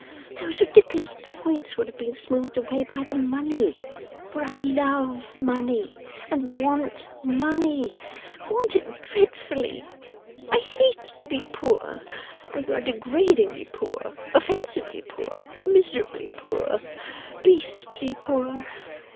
Those ridiculous points would have been smoothed away by the money, for I love money, and want money want it dreadfully. I hate to be poor, and we are degradingly poor, offensively poor, miserably poor, beastly poor.